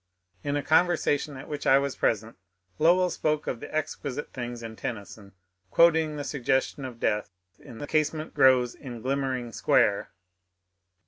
In a conversation at which I was present, Lowell spoke of the exquisite things in Tenny son, quoting the suggestion of death in ^^ The casement grows a glimmering square."